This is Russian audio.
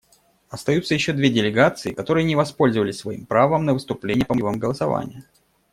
Остаются еще две делегации, которые не воспользовались своим правом на выступление по мотивам голосования.